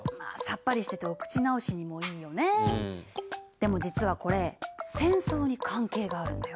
でも実はこれ戦争に関係があるんだよ。